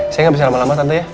saya gak bisa lama lama tante ya